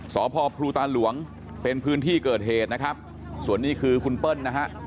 สพภูตาหลวงเป็นพื้นที่เกิดเหตุนะครับส่วนนี้คือคุณเปิ้ลนะฮะ